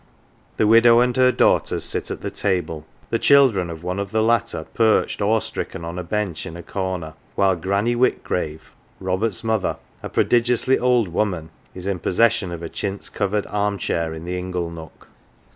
The widow and her daughters sit at the table, the children of one of the latter perched awe stricken on a bench in a corner ; while " Granny ^ Whitgrave, Robert's mother, a prodigiously old woman, is in possesion of a chintz covered arm chair in the ingle nook.